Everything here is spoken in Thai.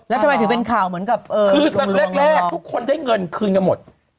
แล้วทำไมถึงเป็นข่าวเหมือนกับคือตอนแรกทุกคนได้เงินคืนกันหมด